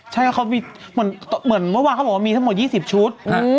ใช่ครับเขามีเหมือนเมื่อวานเขาบอกว่ามีทั้งหมด๒๐ชุด